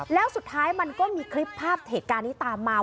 แล้วสุดท้ายมันก็มีคลิปภาพเหตุการณ์นี้ตามมา